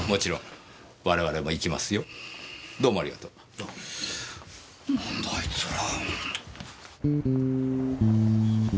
何なんだあいつら。